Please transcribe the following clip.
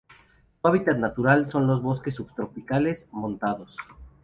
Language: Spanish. Su hábitat natural son los bosques subtropicales montanos.